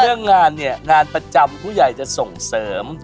เรื่องงานเนี่ยงานประจำผู้ใหญ่จะส่งเสริม